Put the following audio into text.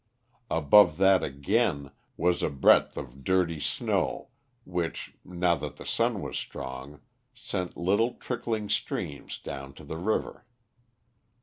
Above that again was a breadth of dirty snow which, now that the sun was strong, sent little trickling streams down to the river.